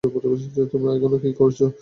তোমরা এখানে কী করছো?